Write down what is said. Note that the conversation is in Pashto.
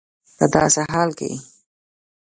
په داسي حال کي